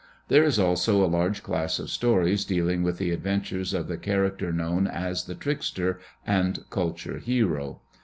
There is also a large class of stories dealing with the adventures of the character known as the trickster and culture hero.